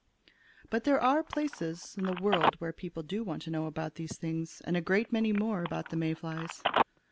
"But there are places in the world where the people do want to know these things, and a great many more, about the May flies.